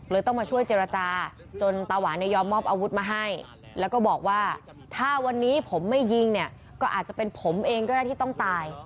ต้องมาช่วยเจรจาจนตาหวานเนี่ยยอมมอบอาวุธมาให้แล้วก็บอกว่าถ้าวันนี้ผมไม่ยิงเนี่ยก็อาจจะเป็นผมเองก็ได้ที่ต้องตาย